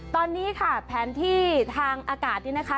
ตอนนี้ค่ะแผนที่ทางอากาศนี่นะคะ